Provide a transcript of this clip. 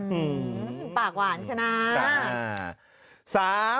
อืมปากหวานใช่นะ